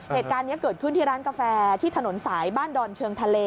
เหตุการณ์นี้เกิดขึ้นที่ร้านกาแฟที่ถนนสายบ้านดอนเชิงทะเล